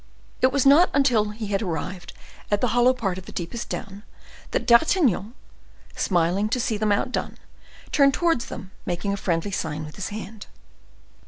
It was not till he had arrived at the hollow part of the deepest down that D'Artagnan, smiling to see them outdone, turned towards them, making a friendly sign with his hand.